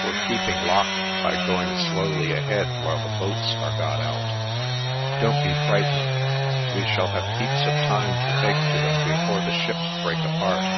We're keeping locked by going slowly ahead while the boats are got out. Don't be frightened, we shall have heaps of time to take to them before the ships break apart."